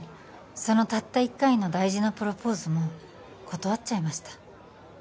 そのたった一回の大事なプロポーズも断っちゃいました